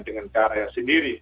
dengan cara yang sendiri